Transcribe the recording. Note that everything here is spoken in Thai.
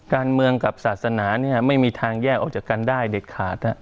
การเมืองกับศาสนาไม่มีทางแยกออกจากกันได้เด็ดขาด